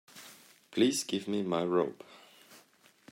Please give me my robe.